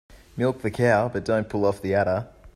Milk the cow but don't pull off the udder.